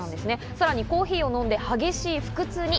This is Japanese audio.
さらにコーヒーを飲んで激しい腹痛に。